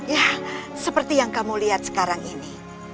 ya seperti yang kamu lihat sekarang ini